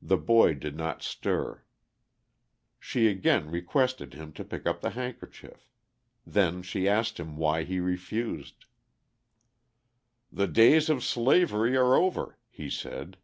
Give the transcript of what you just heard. The boy did not stir; she again requested him to pick up the handkerchief; then she asked him why he refused. "The days of slavery are over," he said.